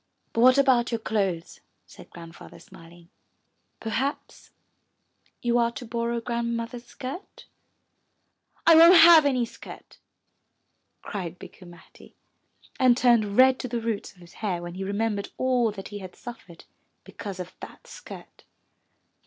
But what about your clothes?' ' said Grandfather, smiling. 'Terhaps you are to borrow Grand mother's skirt?" I won't have any skirt," cried Bikku Matti, and turned red to the roots of his hair when he remem bered all that he had suffer ed because of that skirt.